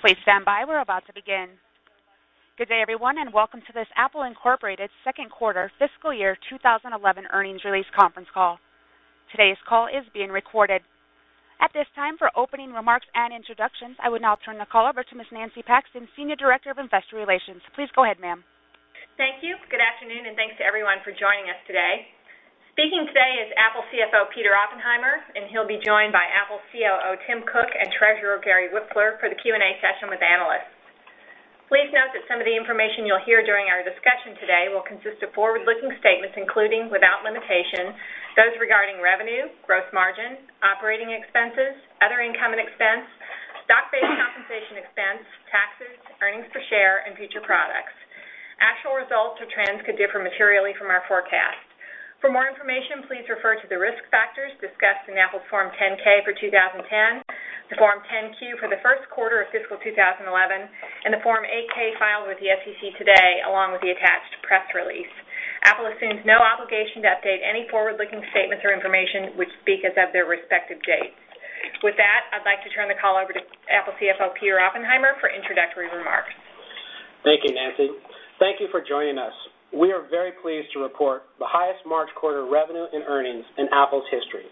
Please stand by. We're about to begin. Good day, everyone, and welcome to this Apple Inc. Second Quarter Fiscal Year 2011 Earnings Release Conference Call. Today's call is being recorded. At this time, for opening remarks and introductions, I would now turn the call over to Ms. Nancy Paxton, Senior Director of Investor Relations. Please go ahead, ma'am. Thank you. Good afternoon, and thanks to everyone for joining us today. Speaking today is Apple CFO Peter Oppenheimer, and he'll be joined by Apple COO Tim Cook and Treasurer Gary Wipfler for the Q&A session with analysts. Please note that some of the information you'll hear during our discussion today will consist of forward-looking statements, including without limitation, those regarding revenue, gross margin, operating expenses, other income and expense, stock-based compensation expense, taxes, earnings per share, and future products. Actual results or trends could differ materially from our forecast. For more information, please refer to the risk factors discussed in Apple's Form 10-K for 2010, the Form 10-Q for the first quarter of fiscal 2011, and the Form 8-K filed with the SEC today, along with the attached press release. Apple assumes no obligation to update any forward-looking statements or information which speak as of their respective date. With that, I'd like to turn the call over to Apple CFO Peter Oppenheimer for introductory remarks. Thank you, Nancy. Thank you for joining us. We are very pleased to report the highest March quarter revenue and earnings in Apple’s history.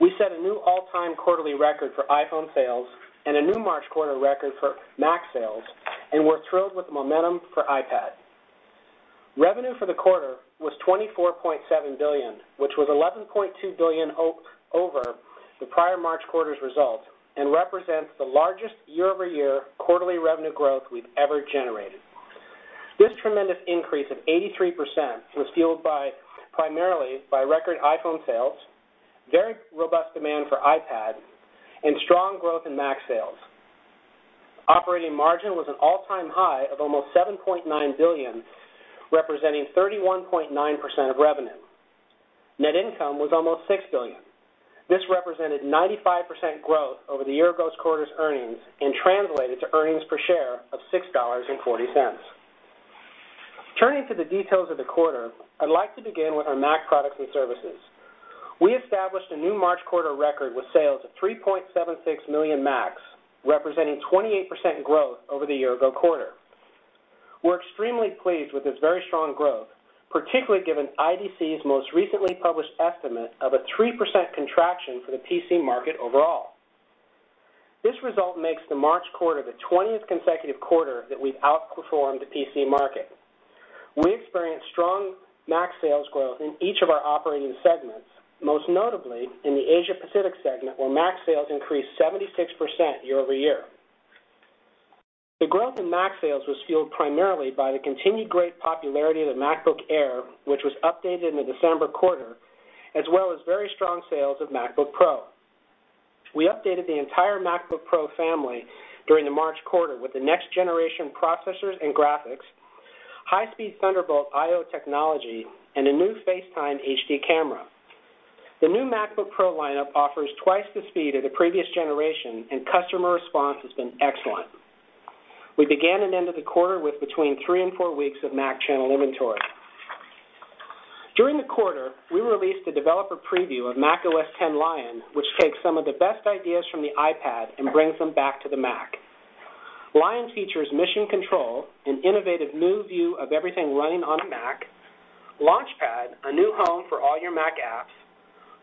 We set a new all-time quarterly record for iPhone sales and a new March quarter record for Mac sales, and we're thrilled with the momentum for iPad. Revenue for the quarter was $24.7 billion, which was $11.2 billion over the prior March quarter's results and represents the largest year-over-year quarterly revenue growth we've ever generated. This tremendous increase of 83% was fueled primarily by record iPhone sales, very robust demand for iPad, and strong growth in Mac sales. Operating margin was an all-time high of almost $7.9 billion, representing 31.9% of revenue. Net income was almost $6 billion. This represented 95% growth over the year-ago quarter's earnings and translated to earnings per share of $6.40. Turning to the details of the quarter, I'd like to begin with our Mac products and services. We established a new March quarter record with sales of 3.76 million Macs, representing 28% growth over the year-ago quarter. We're extremely pleased with this very strong growth, particularly given IDC's most recently published estimate of a 3% contraction for the PC market overall. This result makes the March quarter the 20th consecutive quarter that we've outperformed the PC market. We experienced strong Mac sales growth in each of our operating segments, most notably in the Asia-Pacific segment, where Mac sales increased 76% year-over-year. The growth in Mac sales was fueled primarily by the continued great popularity of the MacBook Air, which was updated in the December quarter, as well as very strong sales of MacBook Pro. We updated the entire MacBook Pro family during the March quarter with the next-generation processors and graphics, high-speed Thunderbolt I/O technology, and a new FaceTime HD camera. The new MacBook Pro lineup offers twice the speed of the previous generation, and customer response has been excellent. We began and ended the quarter with between three and four weeks of Mac channel inventory. During the quarter, we released a developer preview of Mac OS X Lion, which takes some of the best ideas from the iPad and brings them back to the Mac. Lion features Mission Control, an innovative new view of everything running on a Mac, Launchpad, a new home for all your Mac apps,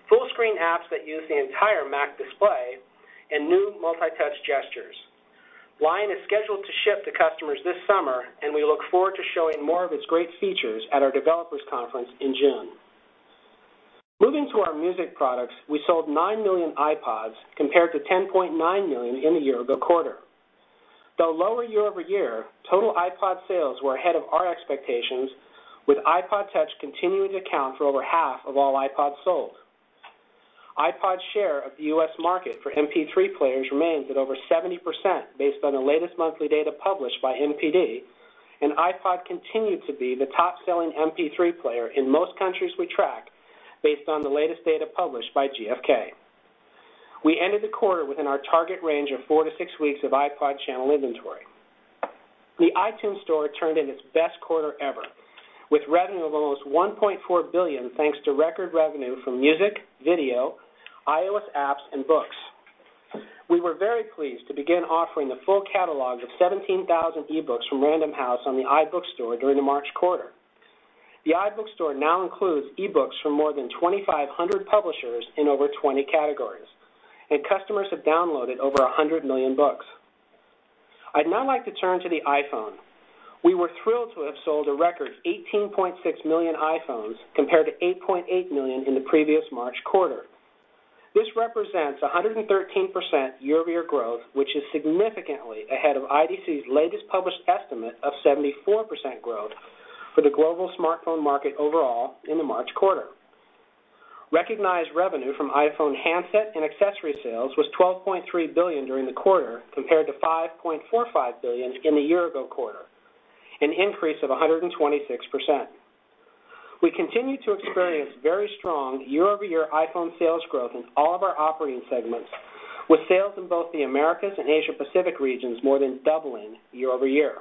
full-screen apps that use the entire Mac display, and new multi-touch gestures. Lion is scheduled to ship to customers this summer, and we look forward to showing more of its great features at our Developers Conference in June. Moving to our music products, we sold 9 million iPods compared to 10.9 million in the year-ago quarter. Though lower year-over-year, total iPod sales were ahead of our expectations, with iPod Touch continuing to count for over half of all iPods sold. iPod's share of the U.S. market for MP3 players remains at over 70% based on the latest monthly data published by MPD, and iPod continued to be the top-selling MP3 player in most countries we track based on the latest data published by GFK. We ended the quarter within our target range of four to six weeks of iPod channel inventory. The iTunes Store turned in its best quarter ever, with revenue of almost $1.4 billion thanks to record revenue from music, video, iOS apps, and books. We were very pleased to begin offering the full catalog of 17,000 e-books from Random House on the iBook Store during the March quarter. The iBook Store now includes e-books from more than 2,500 publishers in over 20 categories, and customers have downloaded over 100 million books. I'd now like to turn to the iPhone. We were thrilled to have sold a record of 18.6 million iPhones compared to 8.8 million in the previous March quarter. This represents 113% year-over-year growth, which is significantly ahead of IDC's latest published estimate of 74% growth for the global smartphone market overall in the March quarter. Recognized revenue from iPhone handset and accessory sales was $12.3 billion during the quarter compared to $5.45 billion in the year-ago quarter, an increase of 126%. We continue to experience very strong year-over-year iPhone sales growth in all of our operating segments, with sales in both the Americas and Asia-Pacific regions more than doubling year-over-year.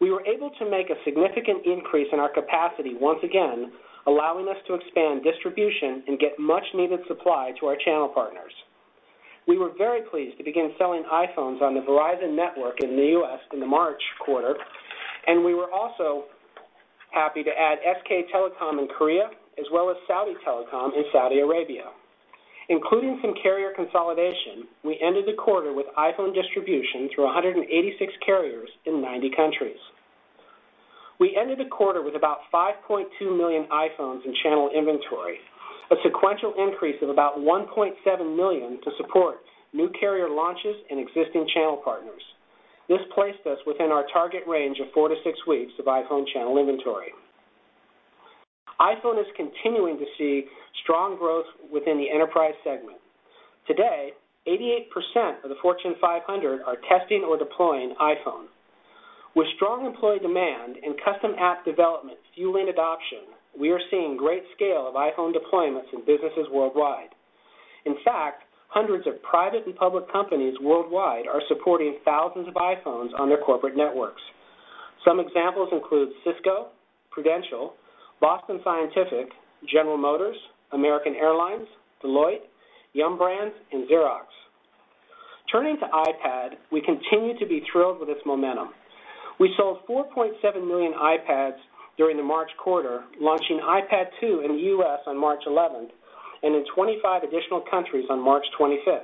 We were able to make a significant increase in our capacity once again, allowing us to expand distribution and get much-needed supply to our channel partners. We were very pleased to begin selling iPhones on the Verizon network in the U.S. in the March quarter, and we were also happy to add SK Telecom in Korea, as well as Saudi Telecom in Saudi Arabia. Including some carrier consolidation, we ended the quarter with iPhone distribution through 186 carriers in 90 countries. We ended the quarter with about 5.2 million iPhones in channel inventory, a sequential increase of about 1.7 million to support new carrier launches and existing channel partners. This placed us within our target range of four to six weeks of iPhone channel inventory. iPhone is continuing to see strong growth within the enterprise segment. Today, 88% of the Fortune 500 are testing or deploying iPhone. With strong employee demand and custom app development fueling adoption, we are seeing great scale of iPhone deployments in businesses worldwide. In fact, hundreds of private and public companies worldwide are supporting thousands of iPhones on their corporate networks. Some examples include Cisco, Prudential, Boston Scientific, General Motors, American Airlines, Deloitte, Yum! Brands, and Xerox. Turning to iPad, we continue to be thrilled with its momentum. We sold 4.7 million iPads during the March quarter, launching iPad 2 in the U.S. on March 11 and in 25 additional countries on March 25.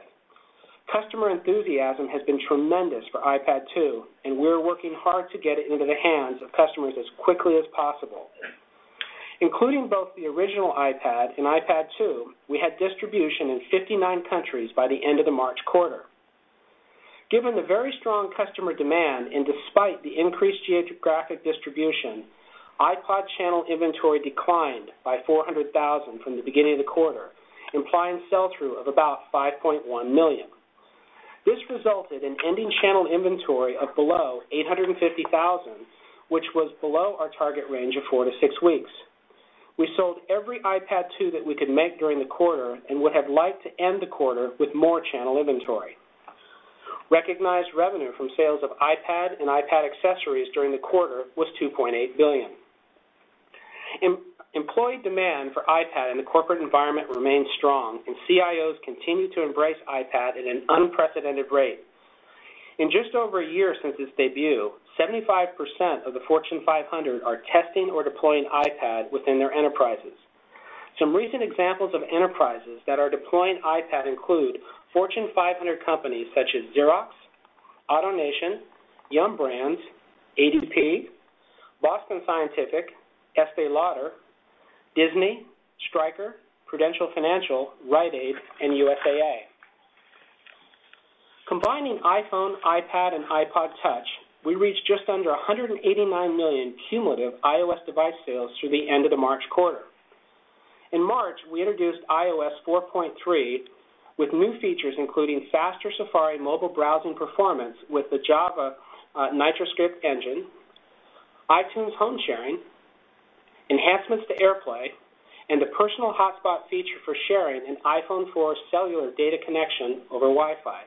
Customer enthusiasm has been tremendous for iPad 2, and we're working hard to get it into the hands of customers as quickly as possible. Including both the original iPad and iPad 2, we had distribution in 59 countries by the end of the March quarter. Given the very strong customer demand and despite the increased geographic distribution, iPad channel inventory declined by 400,000 from the beginning of the quarter, implying sell-through of about 5.1 million. This resulted in ending channel inventory of below 850,000, which was below our target range of four to six weeks. We sold every iPad 2 that we could make during the quarter and would have liked to end the quarter with more channel inventory. Recognized revenue from sales of iPad and iPad accessories during the quarter was $2.8 billion. Employee demand for iPad in the corporate environment remains strong, and CIOs continue to embrace iPad at an unprecedented rate. In just over a year since its debut, 75% of the Fortune 500 are testing or deploying iPad within their enterprises. Some recent examples of enterprises that are deploying iPad include Fortune 500 companies such as Xerox, Autonation, Yum! Brands, ADT, Boston Scientific, Estée Lauder, Disney, Stryker, Prudential Financial, Rite Aid, and USAA. Combining iPhone, iPad, and iPod Touch, we reached just under 189 million cumulative iOS device sales through the end of the March quarter. In March, we introduced iOS 4.3 with new features including faster Safari mobile browsing performance with the Java NitroScript engine, iTunes home sharing, enhancements to AirPlay, and a personal hotspot feature for sharing an iPhone 4 cellular data connection over Wi-Fi.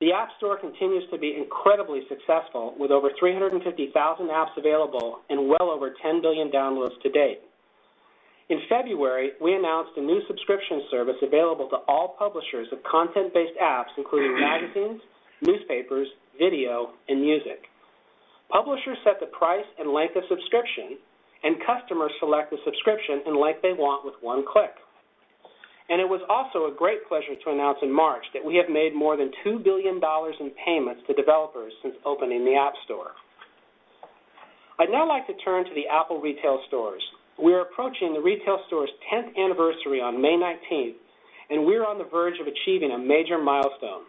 The App Store continues to be incredibly successful, with over 350,000 apps available and well over 10 billion downloads to date. In February, we announced a new subscription service available to all publishers of content-based apps, including magazines, newspapers, video, and music. Publishers set the price and length of subscription, and customers select the subscription and length they want with one click. It was also a great pleasure to announce in March that we have made more than $2 billion in payments to developers since opening the App Store. I'd now like to turn to the Apple retail stores. We are approaching the retail store's 10th anniversary on May 19, and we're on the verge of achieving a major milestone.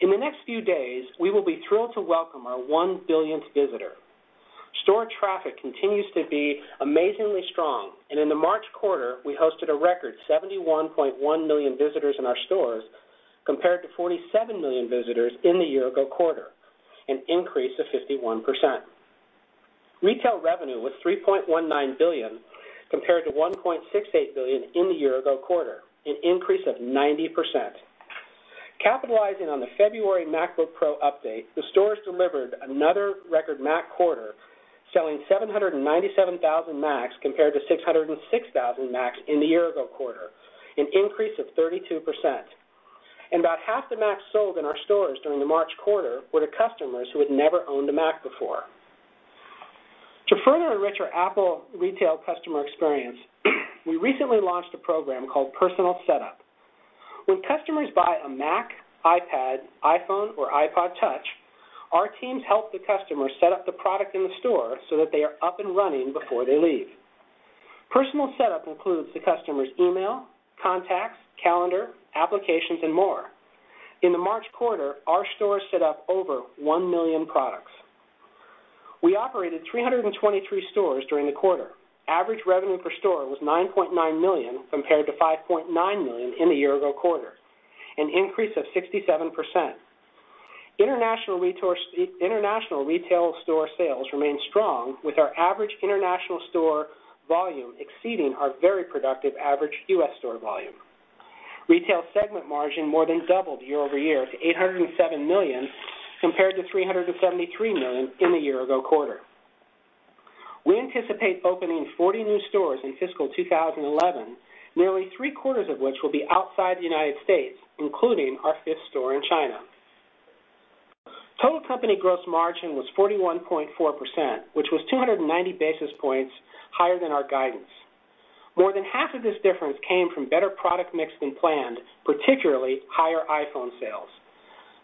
In the next few days, we will be thrilled to welcome our one-billionth visitor. Store traffic continues to be amazingly strong, and in the March quarter, we hosted a record 71.1 million visitors in our stores compared to 47 million visitors in the year-ago quarter, an increase of 51%. Retail revenue was $3.19 billion compared to $1.68 billion in the year-ago quarter, an increase of 90%. Capitalizing on the February MacBook Pro update, the stores delivered another record Mac quarter, selling 797,000 Macs compared to 606,000 Macs in the year-ago quarter, an increase of 32%. About half the Macs sold in our stores during the March quarter were to customers who had never owned a Mac before. To further enrich our Apple retail customer experience, we recently launched a program called Personal Setup. When customers buy a Mac, iPad, iPhone, or iPod Touch, our teams help the customer set up the product in the store so that they are up and running before they leave. Personal Setup includes the customer's email, contacts, calendar, applications, and more. In the March quarter, our stores set up over one million products. We operated 323 stores during the quarter. Average revenue per store was $9.9 million compared to $5.9 million in the year-ago quarter, an increase of 67%. International retail store sales remain strong, with our average international store volume exceeding our very productive average U.S. store volume. Retail segment margin more than doubled year-over-year to $807 million compared to $373 million in the year-ago quarter. We anticipate opening 40 new stores in fiscal 2011, nearly three-quarters of which will be outside the U.S., including our fifth store in China. Total company gross margin was 41.4%, which was 290 basis points higher than our guidance. More than half of this difference came from better product mix than planned, particularly higher iPhone sales.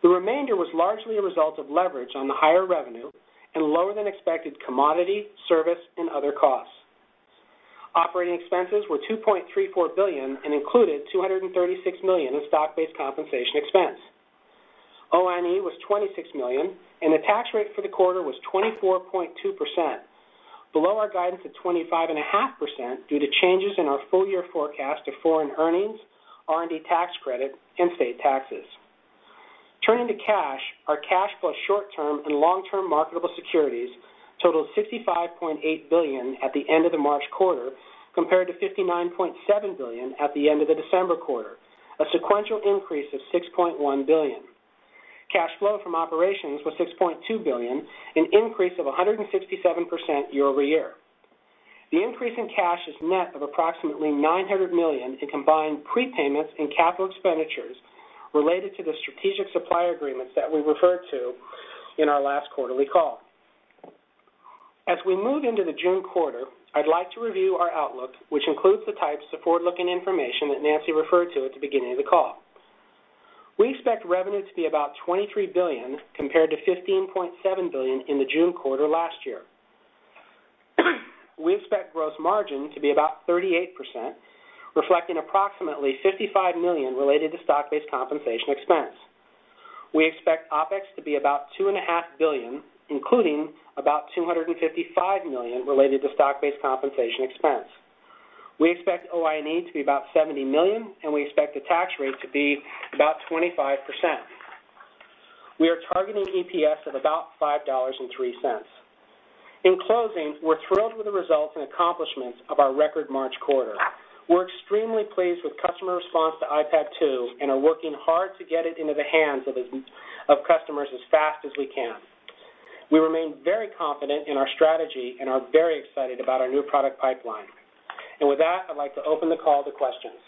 The remainder was largely a result of leverage on the higher revenue and lower than expected commodity, service, and other costs. Operating expenses were $2.34 billion and included $236 million in stock-based compensation expense. O&E was $26 million, and the tax rate for the quarter was 24.2%, below our guidance at 25.5% due to changes in our full-year forecast of foreign earnings, R&D tax credit, and state taxes. Turning to cash, our cash plus short-term and long-term marketable securities totaled $65.8 billion at the end of the March quarter compared to $59.7 billion at the end of the December quarter, a sequential increase of $6.1 billion. Cash flow from operations was $6.2 billion, an increase of 167% year-over-year. The increase in cash is net of approximately $900 million in combined prepayments and capital expenditures related to the strategic supplier agreements that we referred to in our last quarterly call. As we move into the June quarter, I'd like to review our outlook, which includes the types of forward-looking information that Nancy referred to at the beginning of the call. We expect revenue to be about $23 billion compared to $15.7 billion in the June quarter last year. We expect gross margin to be about 38%, reflecting approximately $55 million related to stock-based compensation expense. We expect OpEx to be about $2.5 billion, including about $255 million related to stock-based compensation expense. We expect O&E to be about $70 million, and we expect the tax rate to be about 25%. We are targeting EPS of about $5.03. In closing, we're thrilled with the results and accomplishments of our record March quarter. We're extremely pleased with customer response to iPad 2 and are working hard to get it into the hands of customers as fast as we can. We remain very confident in our strategy and are very excited about our new product pipeline. With that, I'd like to open the call to questions.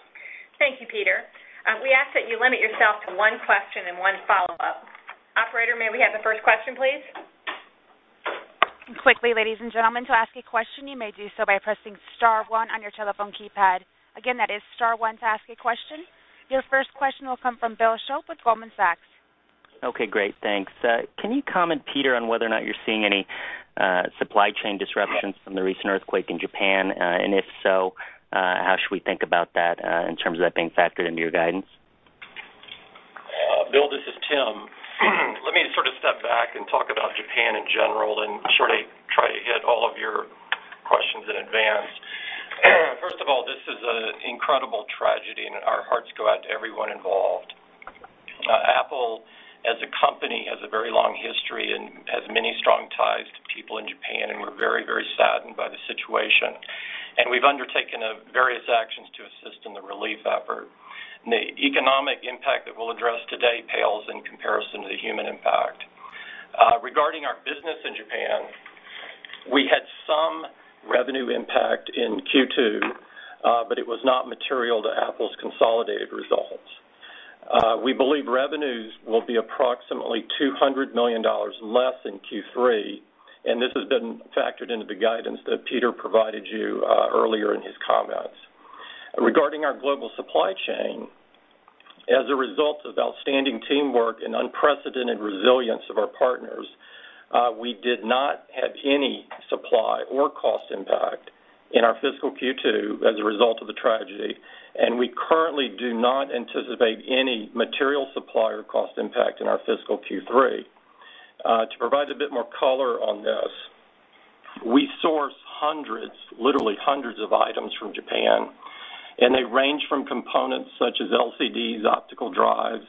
Thank you, Peter. We ask that you limit yourself to one question and one follow-up. Operator, may we have the first question, please? Quickly, ladies and gentlemen, to ask a question, you may do so by pressing Star, one on your telephone keypad. Again, that is star one to ask a question. Your first question will come from Bill Shope with Goldman Sachs. OK, great. Thanks. Can you comment, Peter, on whether or not you're seeing any supply chain disruptions from the recent earthquake in Japan? If so, how should we think about that in terms of that being factored into your guidance? Bill, this is Tim. Let me sort of step back and talk about Japan in general and try to hit all of your questions in advance. First of all, this is an incredible tragedy, and our hearts go out to everyone involved. Apple, as a company, has a very long history and has many strong ties to people in Japan, and we're very, very saddened by the situation. We've undertaken various actions to assist in the relief effort. The economic impact that we'll address today pales in comparison to the human impact. Regarding our business in Japan, we had some revenue impact in Q2, but it was not material to Apple's consolidated results. We believe revenues will be approximately $200 million less in Q3, and this has been factored into the guidance that Peter provided you earlier in his comments. Regarding our global supply chain, as a result of outstanding teamwork and unprecedented resilience of our partners, we did not have any supply or cost impact in our fiscal Q2 as a result of the tragedy, and we currently do not anticipate any material supply or cost impact in our fiscal Q3. To provide a bit more color on this, we source hundreds, literally hundreds of items from Japan, and they range from components such as LCDs, optical drives,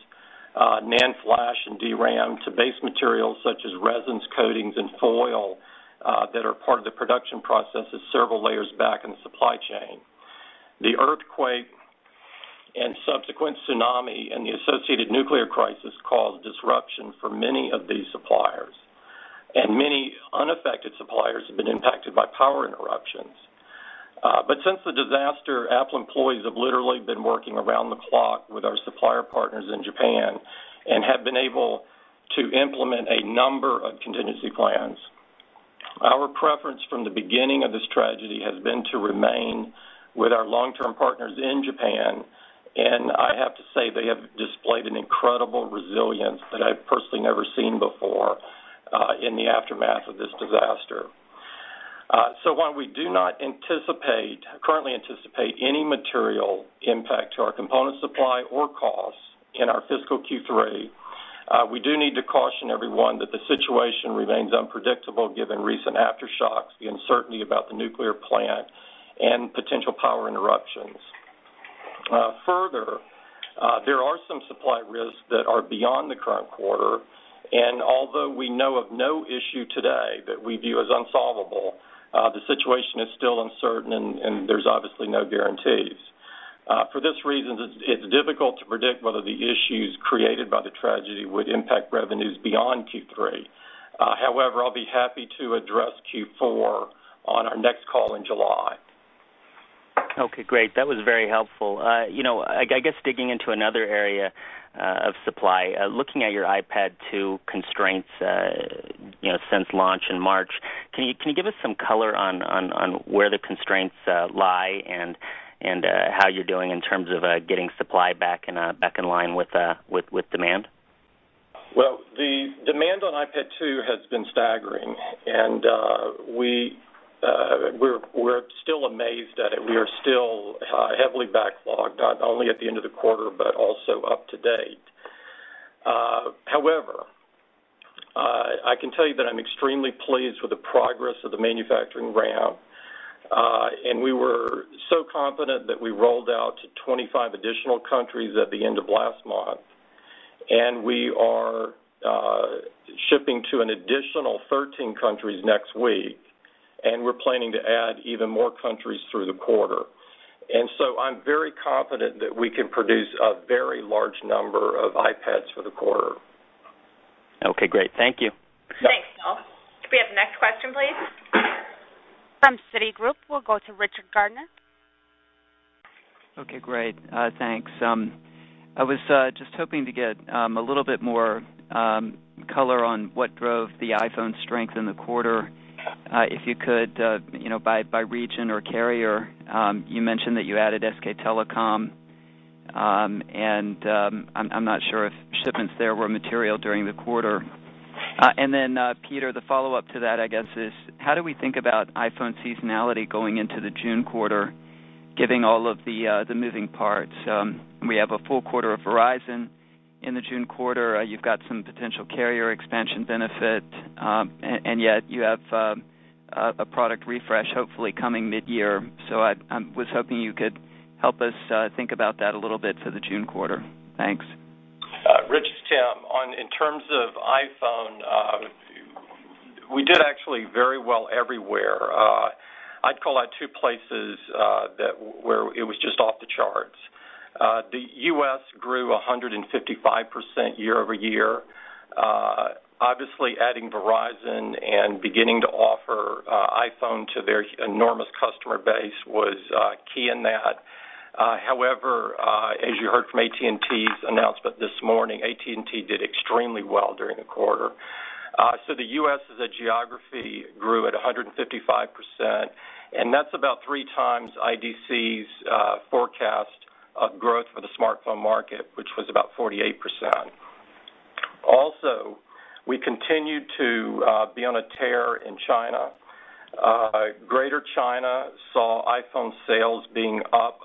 NAND flash, and DRAM to base materials such as resins, coatings, and foil that are part of the production processes several layers back in the supply chain. The earthquake and subsequent tsunami and the associated nuclear crisis caused disruption for many of these suppliers, and many unaffected suppliers have been impacted by power interruptions. Since the disaster, Apple employees have literally been working around the clock with our supplier partners in Japan and have been able to implement a number of contingency plans. Our preference from the beginning of this tragedy has been to remain with our long-term partners in Japan, and I have to say they have displayed an incredible resilience that I've personally never seen before in the aftermath of this disaster. We do not currently anticipate any material impact to our component supply or costs in our fiscal Q3. We do need to caution everyone that the situation remains unpredictable given recent aftershocks, the uncertainty about the nuclear plant, and potential power interruptions. Further, there are some supply risks that are beyond the current quarter, and although we know of no issue today that we view as unsolvable, the situation is still uncertain, and there's obviously no guarantees. For this reason, it's difficult to predict whether the issues created by the tragedy would impact revenues beyond Q3. However, I'll be happy to address Q4 on our next call in July. OK, great. That was very helpful. I guess digging into another area of supply, looking at your iPad 2 constraints since launch in March, can you give us some color on where the constraints lie and how you're doing in terms of getting supply back in line with demand? The demand on iPad 2 has been staggering, and we're still amazed at it. We are still heavily backlogged, not only at the end of the quarter but also up to date. However, I can tell you that I'm extremely pleased with the progress of the manufacturing ramp, and we were so confident that we rolled out to 25 additional countries at the end of last month. We are shipping to an additional 13 countries next week, and we're planning to add even more countries through the quarter. I'm very confident that we can produce a very large number of iPads for the quarter. OK, great. Thank you. Thanks, Bill. We have the next question, please. From Citigroup, we'll go to Richard Gardner. OK, great. Thanks. I was just hoping to get a little bit more color on what drove the iPhone strength in the quarter, if you could, you know, by region or carrier. You mentioned that you added SK Telecom, and I'm not sure if shipments there were material during the quarter. Peter, the follow-up to that, I guess, is how do we think about iPhone seasonality going into the June quarter, given all of the moving parts? We have a full quarter of Verizon in the June quarter. You've got some potential carrier expansion benefit, and yet you have a product refresh hopefully coming mid-year. I was hoping you could help us think about that a little bit for the June quarter. Thanks. Richard, Tim, in terms of iPhone, we did actually very well everywhere. I'd call out two places where it was just off the charts. The U.S., grew 155% year-over-year. Obviously, adding Verizon and beginning to offer iPhone to their enormous customer base was key in that. However, as you heard from AT&T's announcement this morning, AT&T did extremely well during the quarter. The U.S. as a geography grew at 155%, and that's about three times IDC's forecast growth for the smartphone market, which was about 48%. Also, we continued to be on a tear in China. Greater China saw iPhone sales being up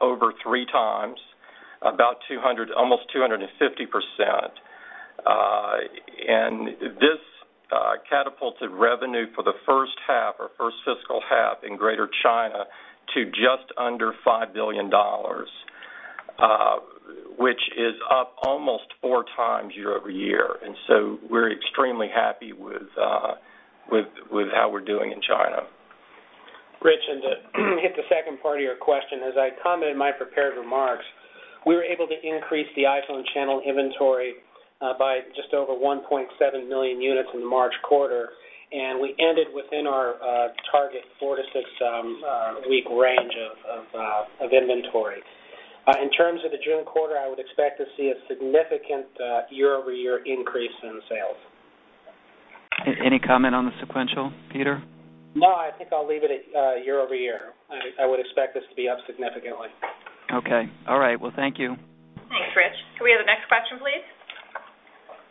over 3x, about almost 250%, and this catapulted revenue for the first half, our first fiscal half in Greater China, to just under $5 billion, which is up almost 4x year-over-year. We're extremely happy with how we're doing in China. Richard, to hit the second part of your question, as I commented in my prepared remarks, we were able to increase the iPhone channel inventory by just over 1.7 million units in the March quarter, and we ended within our target four to six-week range of inventory. In terms of the June quarter, I would expect to see a significant year-over-year increase in sales. Any comment on the sequential, Peter? No, I think I'll leave it at year-over-year. I would expect this to be up significantly. OK. All right. Thank you. Thanks, Rich. Can we have the next question, please?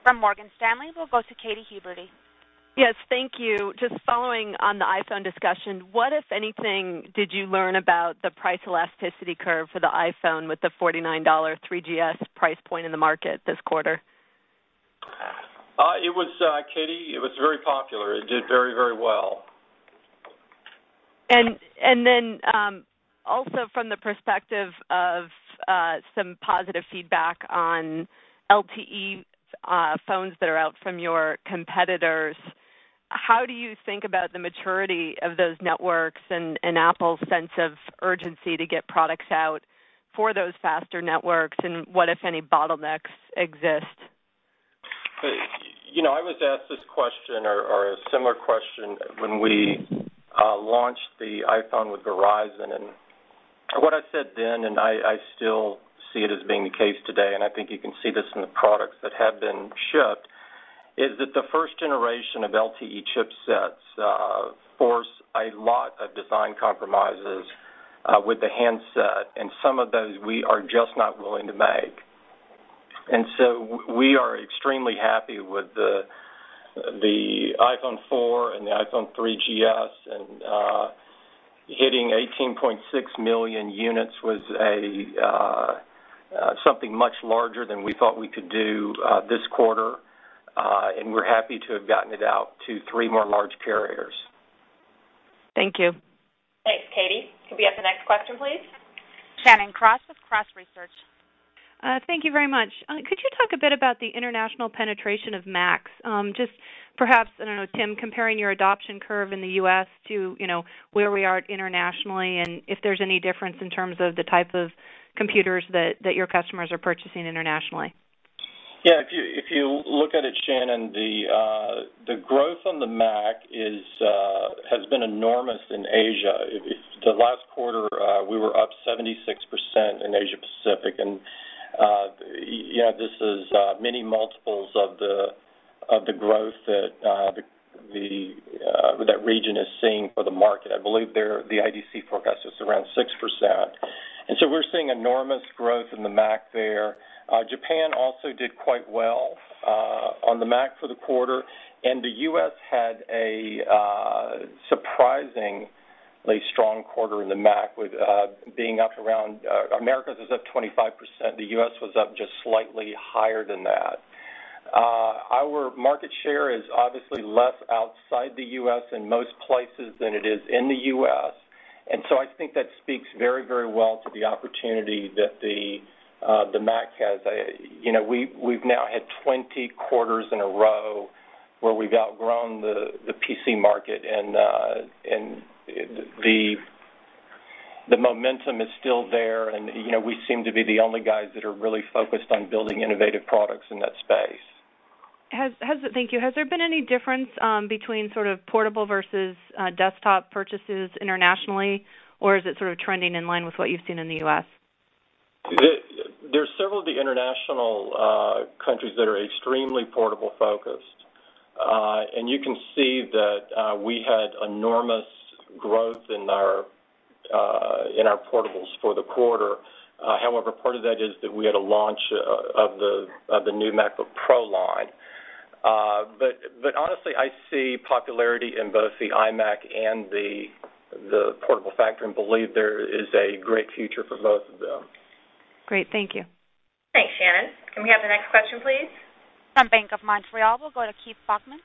From Morgan Stanley, we'll go to Katy Huberty. Yes, thank you. Just following on the iPhone discussion, what, if anything, did you learn about the price elasticity curve for the iPhone with the $49 3GS price point in the market this quarter? It was, Katy, it was very popular. It did very, very well. From the perspective of some positive feedback on LTE phones that are out from your competitors, how do you think about the maturity of those networks and Apple's sense of urgency to get products out for those faster networks, and what, if any, bottlenecks exist? I was asked this question or a similar question when we launched the iPhone with Verizon. What I said then, and I still see it as being the case today, and I think you can see this in the products that have been shipped, is that the first generation of LTE chipsets force a lot of design compromises with the handset, and some of those we are just not willing to make. We are extremely happy with the iPhone 4 and the iPhone 3GS, and hitting 18.6 million units was something much larger than we thought we could do this quarter, and we're happy to have gotten it out to three more large carriers. Thank you. Thanks, Katy. Could we have the next question, please? Shannon Cross with Cross Research. Thank you very much. Could you talk a bit about the international penetration of Macs? Just perhaps, I don't know, Tim, comparing your adoption curve in the U.S., to where we are internationally, and if there's any difference in terms of the type of computers that your customers are purchasing internationally. Yeah, if you look at it, Shannon, the growth on the Mac has been enormous in Asia. The last quarter, we were up 76% in Asia-Pacific, and you know this is many multiples of the growth that that region is seeing for the market. I believe the IDC forecast was around 6%. We're seeing enormous growth in the Mac there. Japan also did quite well on the Mac for the quarter, and the U.S., had a surprisingly strong quarter in the Mac with being up around America's up 25%. The U.S. was up just slightly higher than that. Our market share is obviously less outside the U.S., in most places than it is in the U.S., and I think that speaks very, very well to the opportunity that the Mac has. We've now had 20 quarters in a row where we've outgrown the PC market, and the momentum is still there, and we seem to be the only guys that are really focused on building innovative products in that space. Thank you. Has there been any difference between portable versus desktop purchases internationally, or is it sort of trending in line with what you've seen in the U.S.? They're several of the international countries that are extremely portable-focused, and you can see that we had enormous growth in our portables for the quarter. However, part of that is that we had a launch of the new MacBook Pro line. Honestly, I see popularity in both the iMac and the portable factor and believe there is a great future for both of them. Great. Thank you. Thanks, Shannon. Can we have the next question, please? From Bank of Montreal, we'll go to Keith Salkman.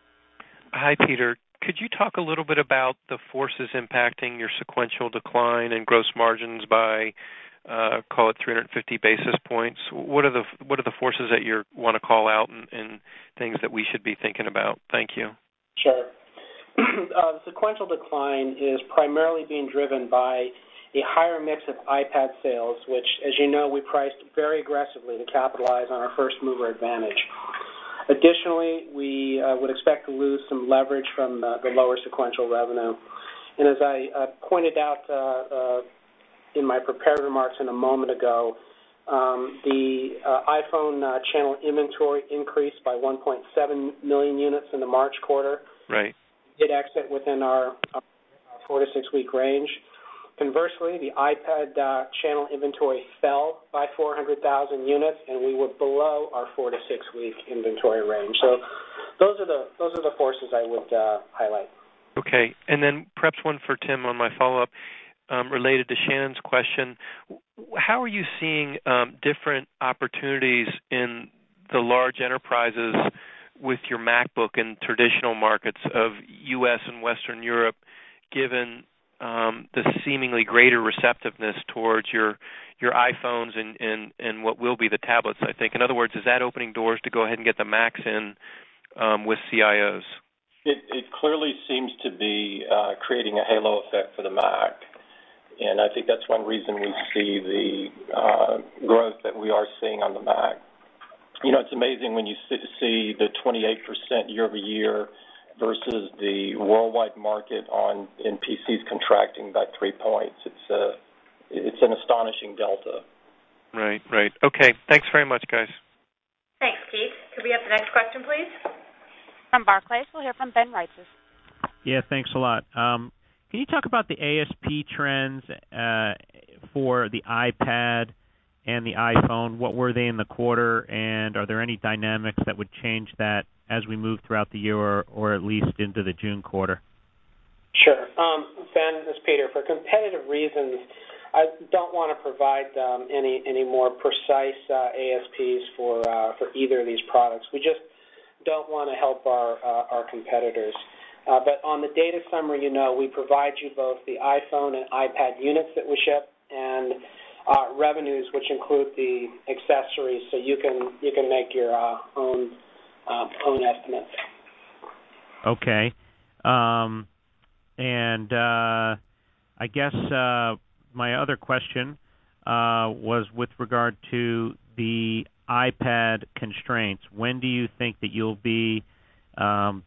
Hi, Peter. Could you talk a little bit about the forces impacting your sequential decline in gross margins by, call it, 350 basis points? What are the forces that you want to call out and things that we should be thinking about? Thank you. Sure. Sequential decline is primarily being driven by a higher mix of iPad sales, which, as you know, we priced very aggressively to capitalize on our first-mover advantage. Additionally, we would expect to lose some leverage from the lower sequential revenue. As I pointed out in my prepared remarks a moment ago, the iPhone channel inventory increased by 1.7 million units in the March quarter. Right. It exited within our four to six-week range. Conversely, the iPad channel inventory fell by 400,000 units, and we were below our four to six-week inventory range. Those are the forces I would highlight. OK. Perhaps one for Tim on my follow-up related to Shannon's question. How are you seeing different opportunities in the large enterprises with your MacBook in traditional markets of the U.S., and Western Europe, given the seemingly greater receptiveness towards your iPhones and what will be the tablets? I think, in other words, is that opening doors to go ahead and get the Macs in with CIOs? It clearly seems to be creating a halo effect for the Mac, and I think that's one reason we see the growth that we are seeing on the Mac. It's amazing when you see the 28% year-over-year versus the worldwide market in PCs contracting by 3%. It's an astonishing delta. Right. Right. OK. Thanks very much, guys. Thanks, Keith. Could we have the next question, please? From Barclays, we'll hear from Ben Reitzes. Yeah, thanks a lot. Can you talk about the ASP trends for the iPad and the iPhone? What were they in the quarter, and are there any dynamics that would change that as we move throughout the year or at least into the June quarter? Sure. This is Peter. For competitive reasons, I don't want to provide any more precise ASPs for either of these products. We just don't want to help our competitors. On the data summary, we provide you both the iPhone and iPad units that we ship and revenues, which include the accessories, so you can make your own estimates. OK. I guess my other question was with regard to the iPad constraints. When do you think that you'll be to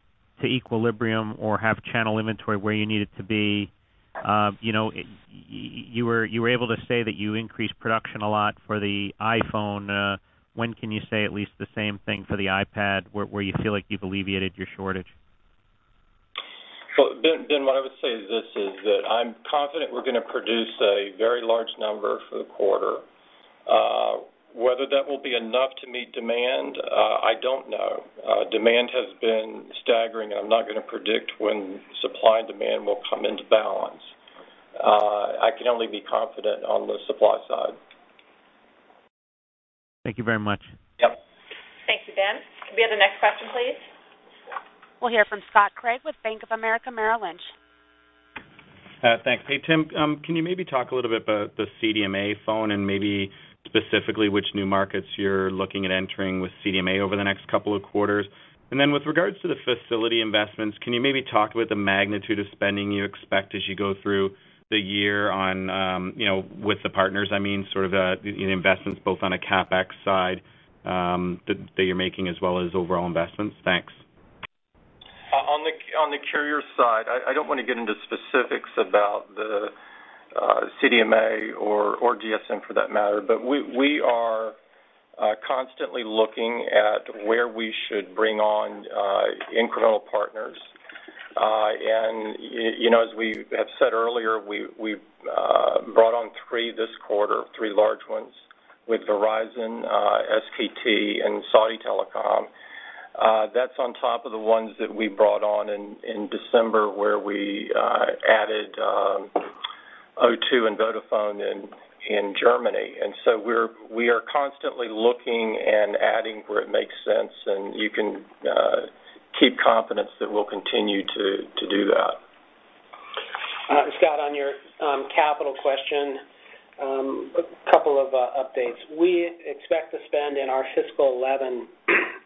equilibrium or have channel inventory where you need it to be? You were able to say that you increased production a lot for the iPhone. When can you say at least the same thing for the iPad where you feel like you've alleviated your shortage? I would say that I'm confident we're going to produce a very large number for the quarter. Whether that will be enough to meet demand, I don't know. Demand has been staggering, and I'm not going to predict when supply and demand will come into balance. I can only be confident on the supply side. Thank you very much. Yep. Thank you, Ben. Could we have the next question, please? We'll hear from Scott Craig with Bank of America Merrill Lynch. Thanks. Hey, Tim, can you maybe talk a little bit about the CDMA phone and maybe specifically which new markets you're looking at entering with CDMA over the next couple of quarters? With regards to the facility investments, can you maybe talk about the magnitude of spending you expect as you go through the year with the partners? I mean, the investments both on a CapEx side that you're making as well as overall investments. Thanks. On the carrier side, I don't want to get into specifics about the CDMA or GSM for that matter, but we are constantly looking at where we should bring on incremental partners. As we have said earlier, we brought on three this quarter, three large ones with Verizon, SK Telecom, and Saudi Telecom. That's on top of the ones that we brought on in December where we added O2 and Vodafone in Germany. We are constantly looking and adding where it makes sense, and you can keep confidence that we'll continue to do that. Scott, on your capital question, a couple of updates. We expect to spend in our fiscal 2011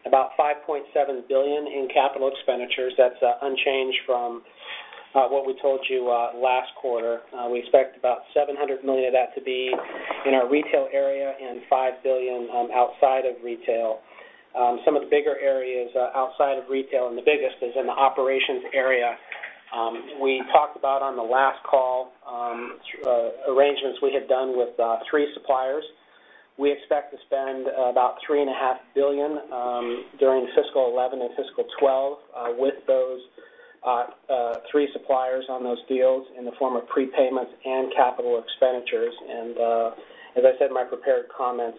about $5.7 billion in capital expenditures. That's unchanged from what we told you last quarter. We expect about $700 million of that to be in our retail area and $5 billion outside of retail. Some of the bigger areas outside of retail, and the biggest is in the operations area. We talked about on the last call arrangements we had done with three suppliers. We expect to spend about $3.5 billion during fiscal 2011 and fiscal 2012 with those three suppliers on those deals in the form of prepayments and capital expenditures. As I said in my prepared comments,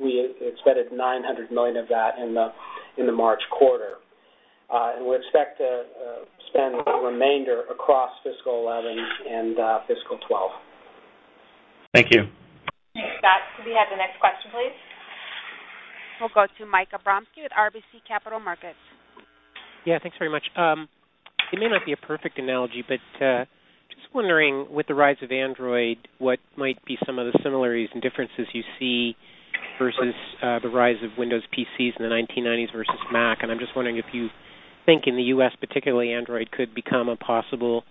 we expected $900 million of that in the March quarter, and we expect to spend the remainder across fiscal 2011 and fiscal 2012. Thank you. Thanks, Scott. Could we have the next question, please? We'll go to Mike Abramsky with RBC Capital Markets. Yeah, thanks very much. It may not be a perfect analogy, but just wondering, with the rise of Android, what might be some of the similarities and differences you see versus the rise of Windows PCs in the 1990s versus Mac? I'm just wondering if you think in the U.S., particularly Android, could become a possible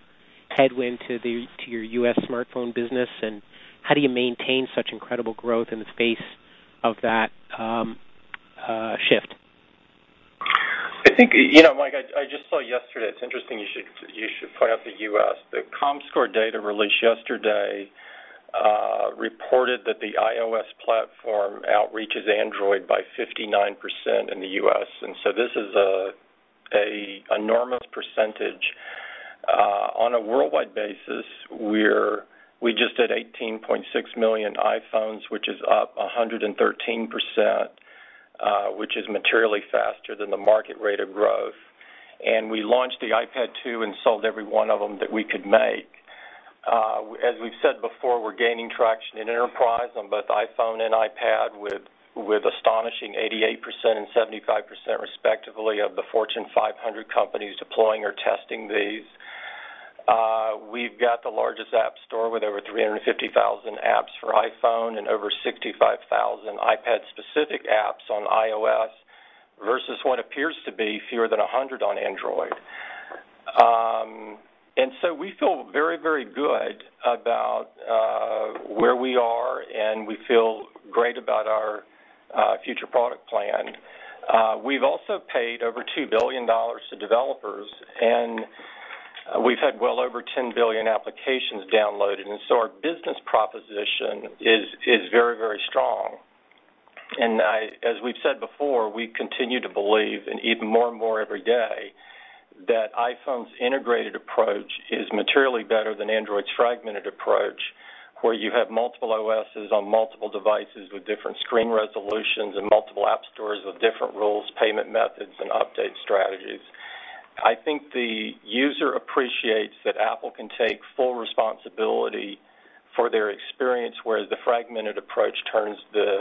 headwind to your U.S. smartphone business, and how do you maintain such incredible growth in the face of that shift? I think, you know, Mike, I just saw yesterday, it's interesting you should point out the U.S. The ComScore data released yesterday reported that the iOS platform outreaches Android by 59% in the U.S., and this is an enormous percentage. On a worldwide basis, we just did 18.6 million iPhones, which is up 113%, which is materially faster than the market rate of growth. We launched the iPad 2 and sold every one of them that we could make. As we've said before, we're gaining traction in enterprise on both iPhone and iPad with astonishing 88% and 75% respectively of the Fortune 500 companies deploying or testing these. We've got the largest App Store with over 350,000 apps for iPhone and over 65,000 iPad-specific apps on iOS versus what appears to be fewer than 100 on Android. We feel very, very good about where we are, and we feel great about our future product plan. We've also paid over $2 billion to developers, and we've had well over 10 billion applications downloaded. Our business proposition is very, very strong. As we've said before, we continue to believe and each more and more every day that iPhone's integrated approach is materially better than Android's fragmented approach where you have multiple OSs on multiple devices with different screen resolutions and multiple app stores with different rules, payment methods, and update strategies. I think the user appreciates that Apple can take full responsibility for their experience, whereas the fragmented approach turns the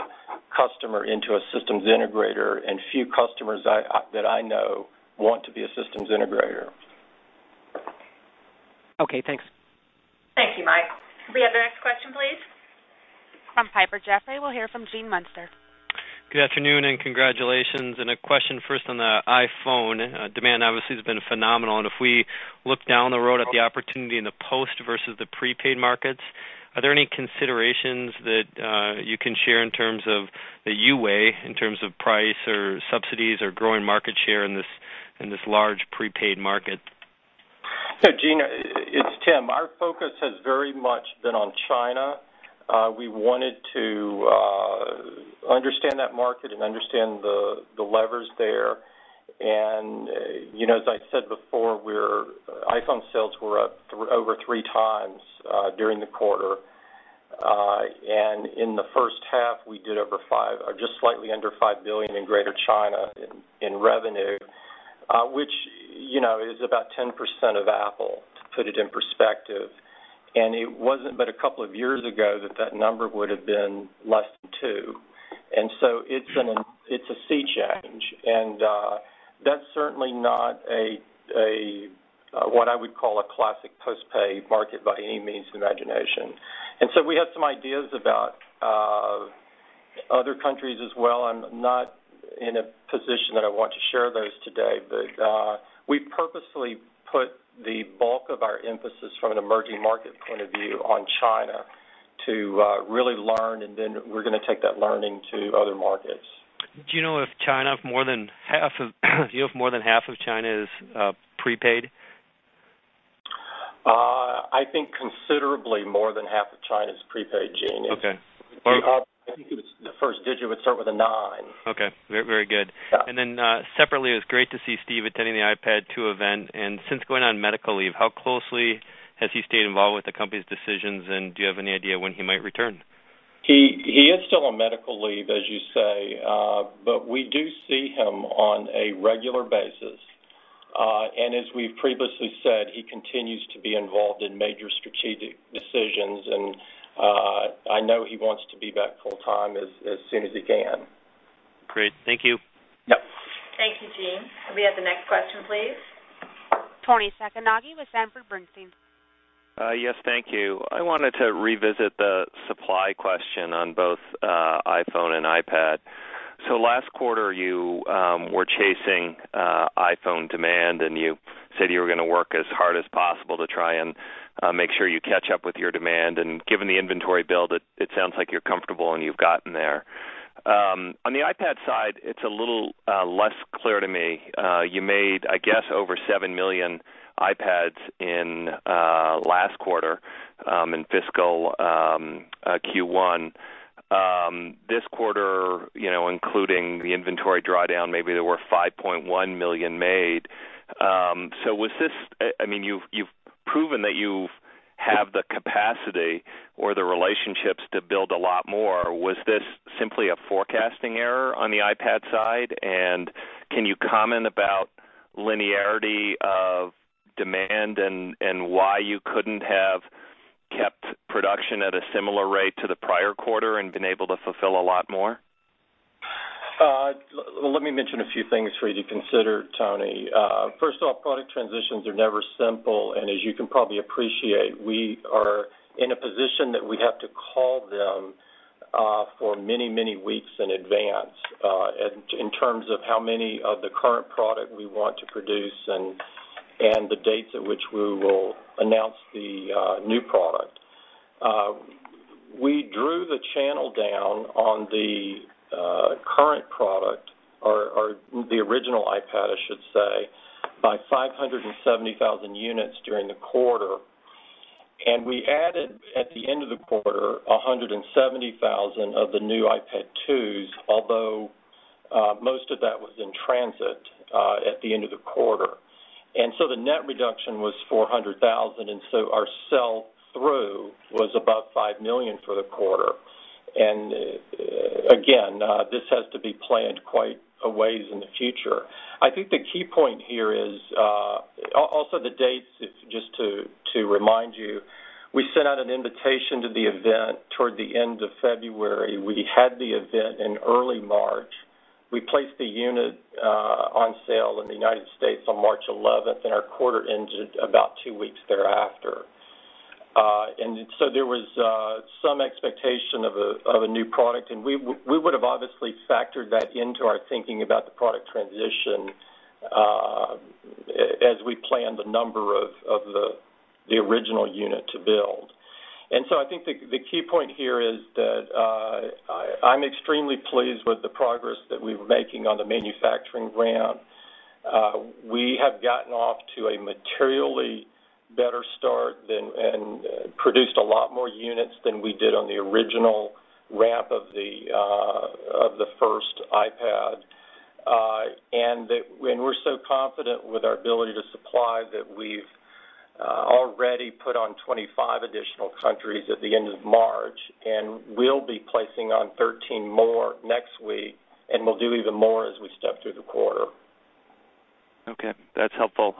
customer into a systems integrator, and few customers that I know want to be a systems integrator. OK, thanks. Thank you, Mike. Could we have the next question, please? From Piper Jaffray, we'll hear from Gene Munster. Good afternoon and congratulations. A question first on the iPhone. Demand obviously has been phenomenal. If we look down the road at the opportunity in the post versus the prepaid markets, are there any considerations that you can share in terms of that you weigh in terms of price or subsidies or growing market share in this large prepaid market? Gene, it's Tim. Our focus has very much been on China. We wanted to understand that market and understand the levers there. You know, as I said before, iPhone sales were up over three times during the quarter. In the first half, we did over $5 billion or just slightly under $5 billion in Greater China in revenue, which is about 10% of Apple, to put it in perspective. It wasn't but a couple of years ago that that number would have been less than $2 billion. It's a sea change, and that's certainly not what I would call a classic post-pay market by any means of imagination. We have some ideas about other countries as well. I'm not in a position that I want to share those today, but we purposely put the bulk of our emphasis, from an emerging market point of view, on China to really learn, and then we're going to take that learning to other markets. Do you know if more than half of China is prepaid? I think considerably more than half of China is prepaid, Gene. OK. I think the first digit would start with a 9. OK, very good. Separately, it was great to see Steve attending the iPad 2 event. Since going on medical leave, how closely has he stayed involved with the company's decisions, and do you have any idea when he might return? He is still on medical leave, as you say, but we do see him on a regular basis. As we've previously said, he continues to be involved in major strategic decisions, and I know he wants to be back full-time as soon as he can. Great. Thank you. Yep. Thank you, Gene. Could we have the next question, please? Toni Sacconaghi with Sanford Bernstein. Yes, thank you. I wanted to revisit the supply question on both iPhone and iPad. Last quarter, you were chasing iPhone demand, and you said you were going to work as hard as possible to try and make sure you catch up with your demand. Given the inventory build, it sounds like you're comfortable, and you've gotten there. On the iPad side, it's a little less clear to me. You made, I guess, over 7 million iPads in last quarter in fiscal Q1. This quarter, including the inventory drawdown, maybe there were 5.1 million made. Was this, I mean, you've proven that you have the capacity or the relationships to build a lot more. Was this simply a forecasting error on the iPad side, and can you comment about linearity of demand and why you couldn't have kept production at a similar rate to the prior quarter and been able to fulfill a lot more? Let me mention a few things for you to consider, Tony. First off, product transitions are never simple, and as you can probably appreciate, we are in a position that we have to call them for many, many weeks in advance in terms of how many of the current product we want to produce and the dates at which we will announce the new product. We drew the channel down on the current product, or the original iPad, I should say, by 570,000 units during the quarter. We added, at the end of the quarter, 170,000 of the new iPad 2s, although most of that was in transit at the end of the quarter. The net reduction was $400,000, and our sell-through was above $5 million for the quarter. This has to be planned quite a ways in the future. I think the key point here is also the dates, just to remind you. We sent out an invitation to the event toward the end of February. We had the event in early March. We placed the unit on sale in the U.S., on March 11, and our quarter ended about two weeks thereafter. There was some expectation of a new product, and we would have obviously factored that into our thinking about the product transition as we planned the number of the original unit to build. I think the key point here is that I'm extremely pleased with the progress that we were making on the manufacturing ramp. We have gotten off to a materially better start and produced a lot more units than we did on the original ramp of the first iPad. We're so confident with our ability to supply that we've already put on 25 additional countries at the end of March and will be placing on 13 more next week, and we'll do even more as we step through the quarter. OK, that's helpful.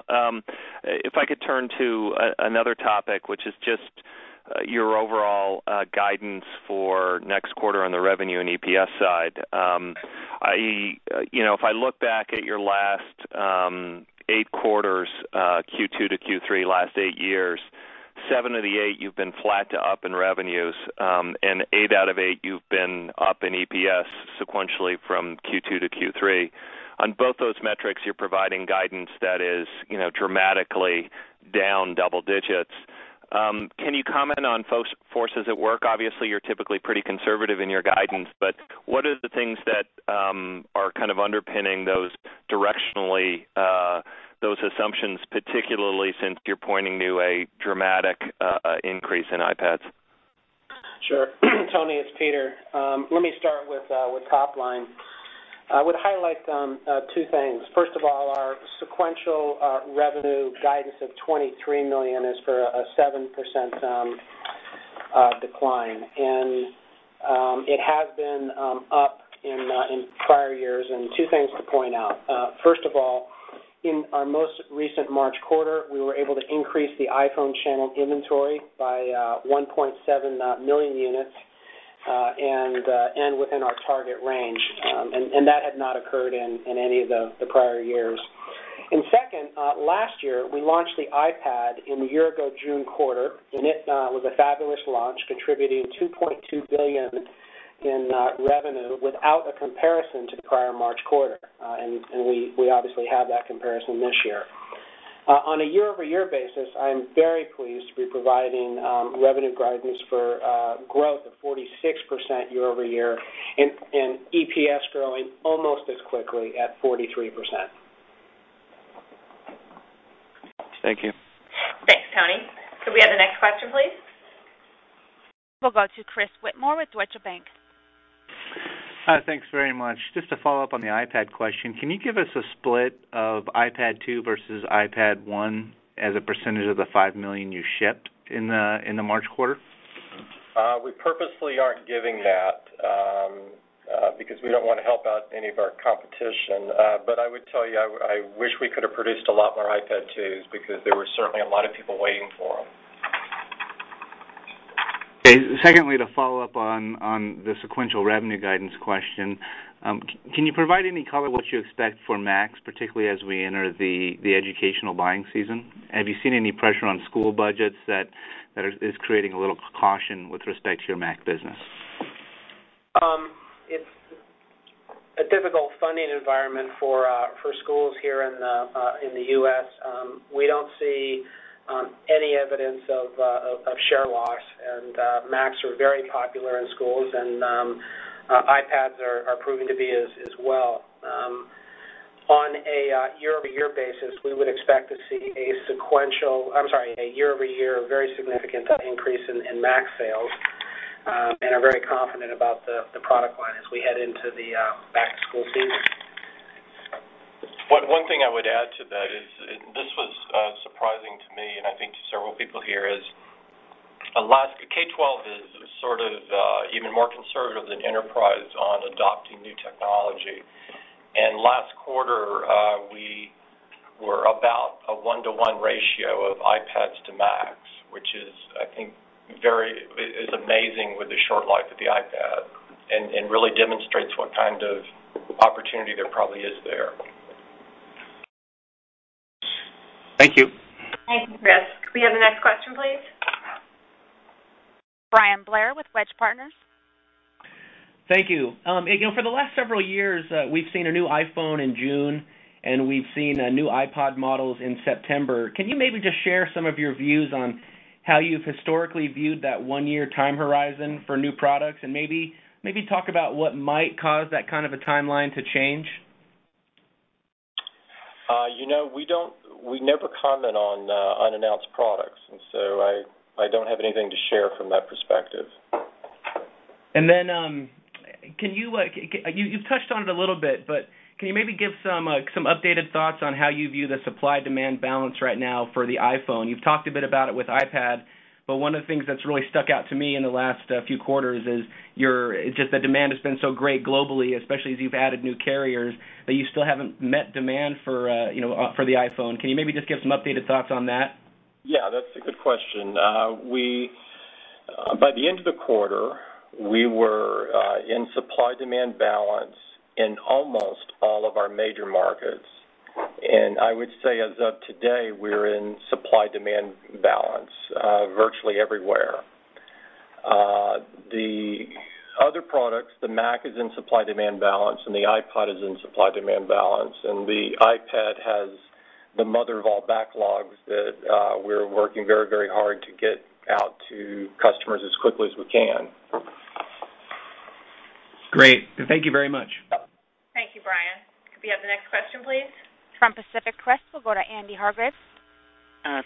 If I could turn to another topic, which is just your overall guidance for next quarter on the revenue and EPS side. If I look back at your last eight quarters, Q2-Q3, last eight years, seven of the eight you've been flat to up in revenues, and eight out of eight you've been up in EPS sequentially from Q2-Q3. On both those metrics, you're providing guidance that is dramatically down double-digits. Can you comment on forces at work? Obviously, you're typically pretty conservative in your guidance, but what are the things that are kind of underpinning those directionally, those assumptions, particularly since you're pointing to a dramatic increase in iPads? Sure. Tony, it's Peter. Let me start with top line. I would highlight two things. First of all, our sequential revenue guidance of $23 million is for a 7% decline, and it has been up in prior years. Two things to point out. First of all, in our most recent March quarter, we were able to increase the iPhone channel inventory by 1.7 million units and end within our target range, and that had not occurred in any of the prior years. Second, last year, we launched the iPad in the year-ago June quarter, and it was a fabulous launch, contributing $2.2 billion in revenue without a comparison to the prior March quarter, and we obviously have that comparison this year. On a year-over-year basis, I'm very pleased to be providing revenue guidance for growth of 46% year-over-year and EPS growing almost as quickly at 43%. Thank you. Thanks, Tony. Could we have the next question, please? We'll go to Chris Whitmore with Deutsche Bank. Hi, thanks very much. Just to follow up on the iPad question, can you give us a split of iPad 2 versus iPad 1 as a percentage of the 5 million you shipped in the March quarter? We purposely aren't giving that because we don't want to help out any of our competition, but I would tell you I wish we could have produced a lot more iPad 2s because there were certainly a lot of people waiting for them. OK. Secondly, to follow up on the sequential revenue guidance question, can you provide any color what you expect for Macs, particularly as we enter the educational buying season? Have you seen any pressure on school budgets that is creating a little caution with respect to your Mac business? It's a difficult funding environment for schools here in the U.S. We don't see any evidence of share loss, and Macs are very popular in schools, and iPads are proving to be as well. On a year-over-year basis, we would expect to see a very significant increase in Mac sales and are very confident about the product line as we head into the back-to-school business. One thing I would add to that is, and this was surprising to me, and I think to several people here, is K-12 is sort of even more conservative than enterprise on adopting new technology. Last quarter, we were about a one-to-one ratio of iPads to Macs, which is, I think, very amazing with the short life of the iPad and really demonstrates what kind of opportunity there probably is there. Thank you. Thank you, Chris. Could we have the next question, please? Brian Blair with Wedge Partners. Thank you. For the last several years, we've seen a new iPhone in June, and we've seen new iPod models in September. Can you maybe just share some of your views on how you've historically viewed that one-year time horizon for new products and maybe talk about what might cause that kind of a timeline to change? You know, we never comment on unannounced products, and so I don't have anything to share from that perspective. Could you give some updated thoughts on how you view the supply-demand balance right now for the iPhone? You've talked a bit about it with iPad, but one of the things that's really stuck out to me in the last few quarters is that the demand has been so great globally, especially as you've added new carriers, that you still haven't met demand for the iPhone. Could you just give some updated thoughts on that? Yeah, that's a good question. By the end of the quarter, we were in supply-demand balance in almost all of our major markets, and I would say as of today, we're in supply-demand balance virtually everywhere. The other products, the Mac is in supply-demand balance, the iPod is in supply-demand balance, and the iPad has the mother of all backlogs that we're working very, very hard to get out to customers as quickly as we can. Great. Thank you very much. Thank you, Brian. Could we have the next question, please? From Pacific Crest, we'll go to Andy Hargreaves.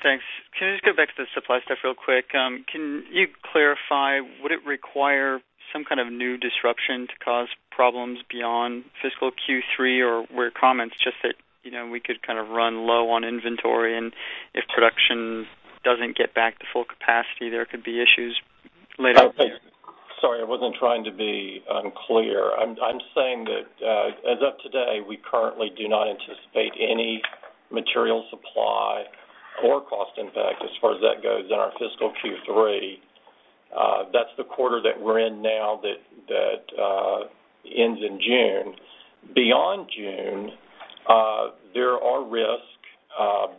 Thanks. Can I just go back to the supply stuff real quick? Can you clarify, would it require some kind of new disruption to cause problems beyond fiscal Q3, or were comments just that we could kind of run low on inventory, and if production doesn't get back to full capacity, there could be issues later? Sorry, I wasn't trying to be unclear. I'm saying that as of today, we currently do not anticipate any material supply or cost impact as far as that goes in our fiscal Q3. That's the quarter that we're in now that ends in June. Beyond June, there are risks,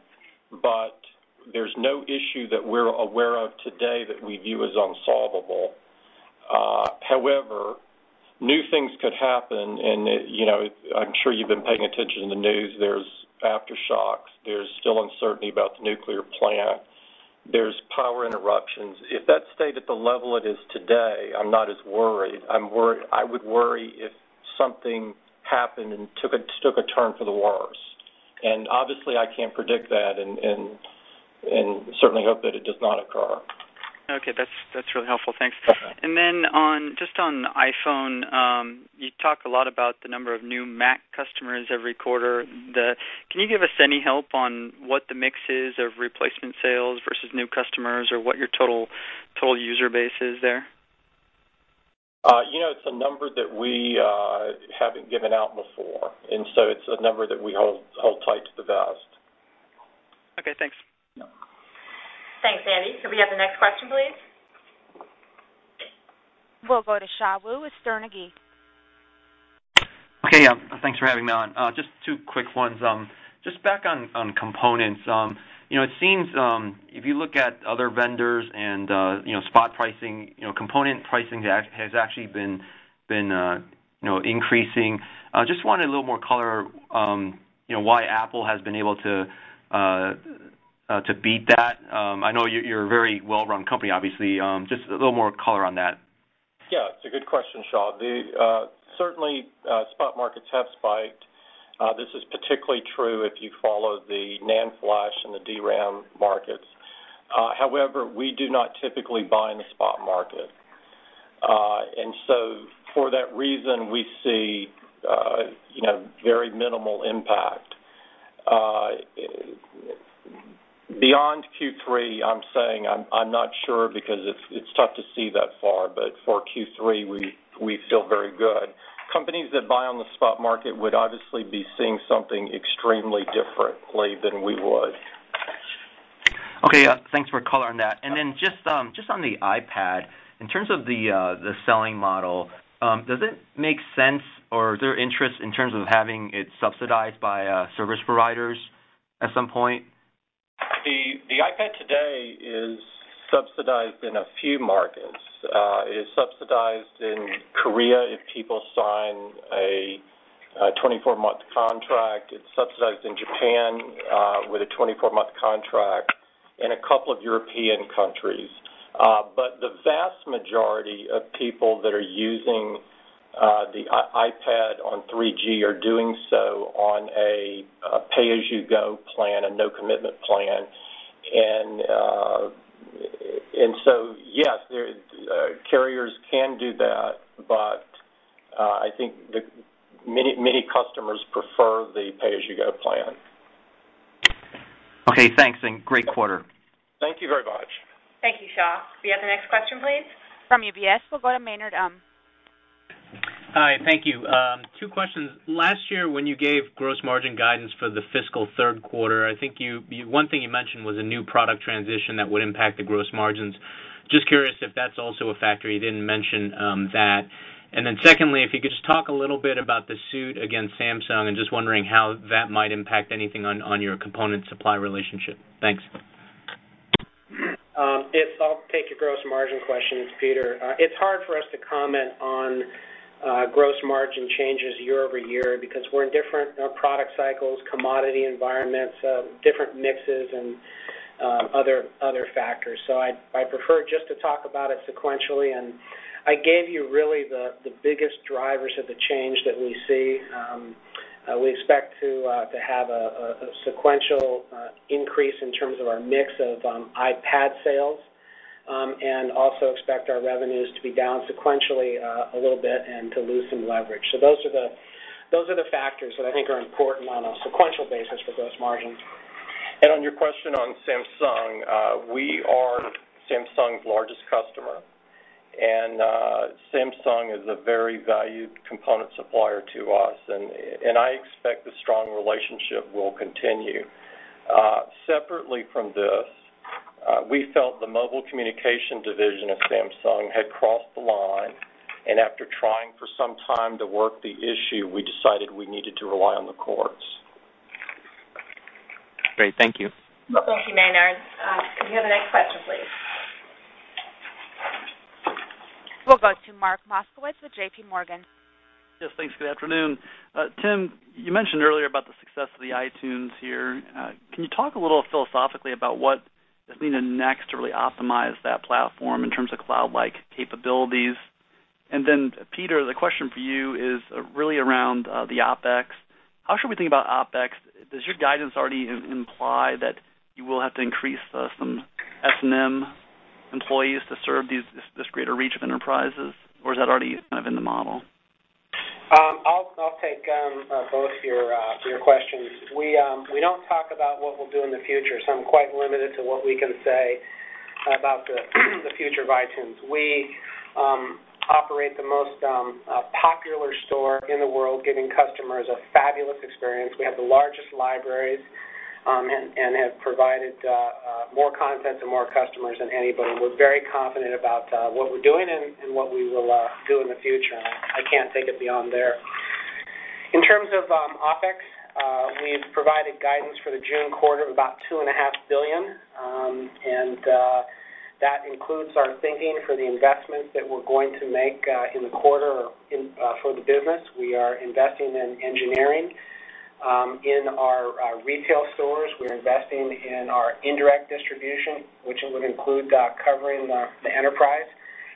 but there's no issue that we're aware of today that we view as unsolvable. However, new things could happen, and you know, I'm sure you've been paying attention to the news. There's aftershocks. There's still uncertainty about the nuclear plant. There's power interruptions. If that stayed at the level it is today, I'm not as worried. I would worry if something happened and took a turn for the worse. Obviously, I can't predict that and certainly hope that it does not occur. OK, that's really helpful. Thanks. On iPhone, you talk a lot about the number of new Mac customers every quarter. Can you give us any help on what the mix is of replacement sales versus new customers or what your total user base is there? You know, it's a number that we haven't given out before, and it's a number that we hold tight to the vest. OK, thanks. Thanks, Andy. Could we have the next question, please? We'll go to Shaw Wu with Stern Agee. OK, yeah, thanks for having me on. Just two quick ones. Just back on components, you know, it seems if you look at other vendors and spot pricing, component pricing has actually been increasing. Just wanted a little more color, you know, why Apple has been able to beat that. I know you're a very well-run company, obviously. Just a little more color on that. Yeah, it's a good question, Shaw. Certainly, spot markets have spiked. This is particularly true if you follow the NAND Flash and the DRAM markets. However, we do not typically buy in the spot market, and for that reason, we see very minimal impact. Beyond Q3, I'm saying I'm not sure because it's tough to see that far, but for Q3, we feel very good. Companies that buy on the spot market would obviously be seeing something extremely differently than we would. OK, yeah, thanks for coloring that. Just on the iPad, in terms of the selling model, does it make sense or is there interest in terms of having it subsidized by service providers at some point? The iPad today is subsidized in a few markets. It is subsidized in Korea if people sign a 24-month contract. It's subsidized in Japan with a 24-month contract and a couple of European countries. The vast majority of people that are using the iPad on 3G are doing so on a pay-as-you-go plan, a no-commitment plan. Yes, carriers can do that, but I think many customers prefer the pay-as-you-go plan. OK, thanks, and great quarter. Thank you very much. Thank you, Shaw. Could we have the next question, please? From UBS, we'll go to Maynard Um. Hi, thank you. Two questions. Last year, when you gave gross margin guidance for the fiscal third quarter, I think one thing you mentioned was a new product transition that would impact the gross margins. Just curious if that's also a factor. You didn't mention that. Secondly, if you could just talk a little bit about the suit against Samsung and just wondering how that might impact anything on your component supply relationship. Thanks. I'll take your gross margin questions, Peter. It's hard for us to comment on gross margin changes year-over-year because we're in different product cycles, commodity environments, different mixes, and other factors. I prefer just to talk about it sequentially, and I gave you really the biggest drivers of the change that we see. We expect to have a sequential increase in terms of our mix of iPad sales and also expect our revenues to be down sequentially a little bit and to lose some leverage. Those are the factors that I think are important on a sequential basis for gross margin. On your question on Samsung, we are Samsung's largest customer, and Samsung is a very valued component supplier to us. I expect a strong relationship will continue. Separately from this, we felt the mobile communication division of Samsung had crossed the line, and after trying for some time to work the issue, we decided we needed to rely on the courts. Great, thank you. Thank you, Maynard. Could we have the next question, please? We'll go to Mark Moskowitz with JPMorgan. Yes, thanks. Good afternoon. Tim, you mentioned earlier about the success of the iTunes Store here. Can you talk a little philosophically about what is needed next to really optimize that platform in terms of cloud-like capabilities? Peter, the question for you is really around the OpEx. How should we think about OpEx? Does your guidance already imply that you will have to increase some S&M employees to serve this greater reach of enterprises, or is that already kind of in the model? I'll take both of your questions. We don't talk about what we'll do in the future, so I'm quite limited to what we can say about the future of the iTunes Store. We operate the most popular store in the world, giving customers a fabulous experience. We have the largest libraries and have provided more content to more customers than anybody, and we're very confident about what we're doing and what we will do in the future, and I can't take it beyond there. In terms of OpEx, we've provided guidance for the June quarter of about $2.5 billion, and that includes our thinking for the investment that we're going to make in the quarter for the business. We are investing in engineering in our retail stores. We're investing in our indirect distribution, which would include covering the enterprise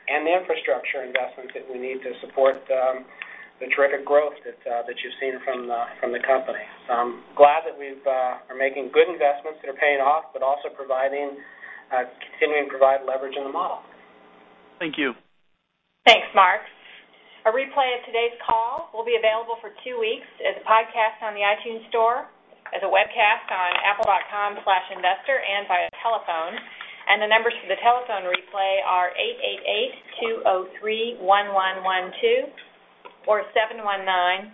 and the infrastructure investments that we need to support the terrific growth that you've seen from the company. I'm glad that we are making good investments that are paying off, but also continuing to provide leverage in the model. Thank you. Thanks, Mark. A replay of today's call will be available for two weeks as a podcast on the iTunes Store, as a webcast on apple.com/investor, and via telephone. The numbers for the telephone replay are 888-203-1112 or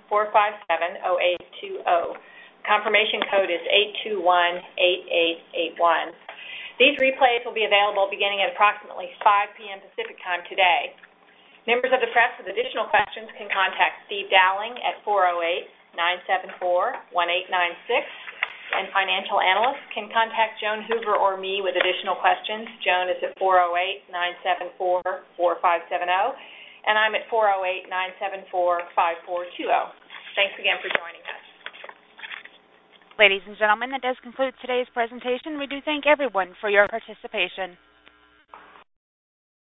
719-457-0820. Confirmation code is 821-8881. These replays will be available beginning at approximately 5:00 P.M. Pacific Time today. Members of the press with additional questions can contact Steve Dowling at 408-974-1896, and financial analysts can contact Joan Hoover or me with additional questions. Joan is at 408-974-4570, and I'm at 408-974-5420. Thanks again for joining us. Ladies and gentlemen, that does conclude today's presentation. We do thank everyone for your participation.